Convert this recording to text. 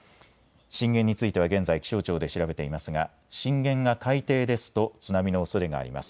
震源については現在気象庁で調べていますが震源が海底ですと津波のおそれがあります。